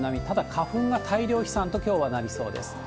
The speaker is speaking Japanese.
ただ、花粉が大量飛散と、きょうはなりそうです。